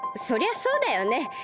そりゃそうだよね。